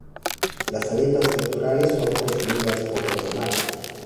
Las aletas pectorales son consumidas por los humanos.